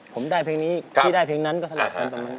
ผมได้เพลงนี้ที่ได้เพลงนั้นก็สลัด